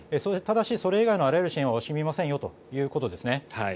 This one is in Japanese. ただしそれ以外のあらゆる支援は惜しみませんということです。